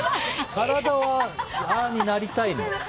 体は、ああなりたいの？